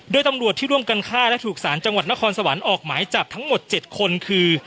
โดยตำรวจที่ร่วมกันฆ่าและถูกสารจังหวัดนครสวรรค์ออกหมายจับทั้งหมด๗คนคือ